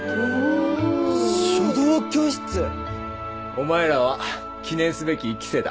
お前らは記念すべき１期生だ。